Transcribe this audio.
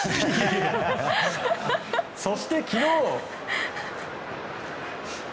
そして、昨日。